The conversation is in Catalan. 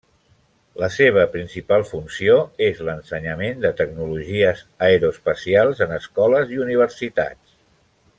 La seva principal funció és l'ensenyament de tecnologies aeroespacials en escoles i universitats.